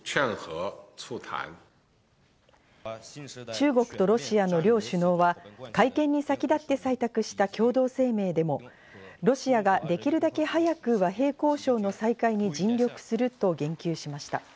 中国とロシアの両首脳は会見に先立って採択した共同声明でも、ロシアができるだけ早く和平交渉の再開に尽力すると言及しました。